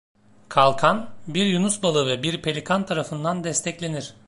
Kalkan bir yunus balığı ve bir pelikan tarafından desteklenir.